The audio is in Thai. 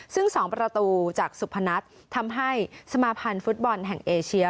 ซึ่ง๒ประตูจากสุพนัททำให้สมาพันธ์ฟุตบอลแห่งเอเชีย